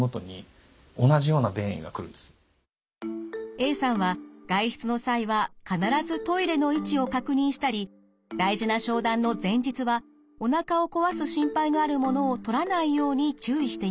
Ａさんは外出の際は必ずトイレの位置を確認したり大事な商談の前日はおなかをこわす心配があるものをとらないように注意しています。